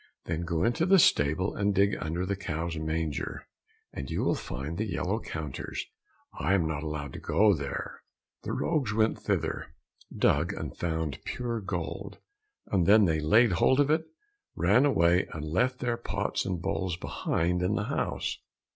"Then go into the stable and dig under the cow's manger, and you will find the yellow counters. I am not allowed to go there." The rogues went thither, dug and found pure gold. Then they laid hold of it, ran away, and left their pots and bowls behind in the house.